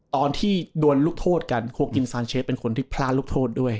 ตอนที่โดนลูกโทษกันโคกินซานเชฟเป็นคนที่พลาดลูกโทษด้วย